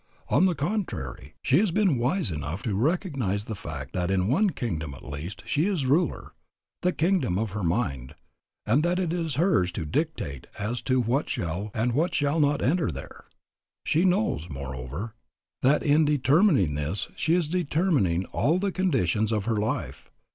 On the contrary she has been wise enough to recognize the fact that in one kingdom at least she is ruler, the kingdom of her mind, and that it is hers to dictate as to what shall and what shall not enter there. She knows, moreover, that in determining this she is determining all the conditions of her life.